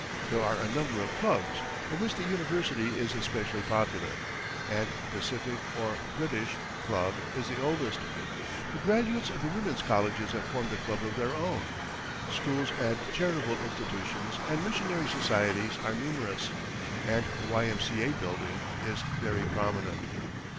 There are a number of clubs, of which the University is especially popular, and the Pacific, or British, Club is the oldest. The graduates of women's colleges have formed a club of their own. Schools and charitable institutions and missionary societies are numerous, and the Y. M. C. A. building is very prominent.